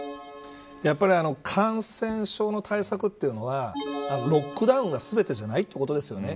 やっぱり感染症の対策っていうのはロックダウンが全てじゃないということですよね。